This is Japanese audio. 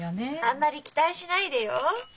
あんまり期待しないでよ。